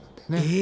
え！